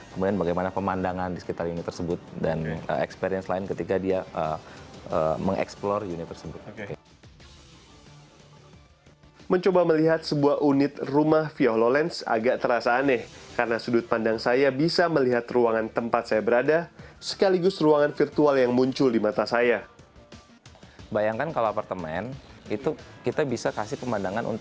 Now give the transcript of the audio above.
kemudian bagaimana pemandangan di sekitar unit tersebut dan experience lain ketika dia mengeksplore unit tersebut